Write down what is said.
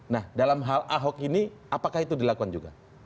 nah dalam hal ahok ini apakah itu dilakukan juga